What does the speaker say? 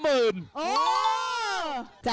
โอ้โห